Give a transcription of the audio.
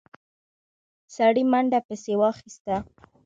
سړي منډه پسې واخيسته.